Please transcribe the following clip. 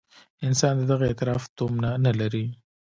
انسان د دغه اعتراف تومنه نه لري.